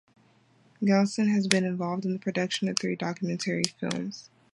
Galison has been involved in the production of three documentary films.